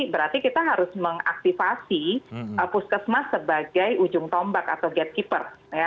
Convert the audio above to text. berarti kita harus mengaktifasi puskesmas sebagai ujung tombak atau gatekeeper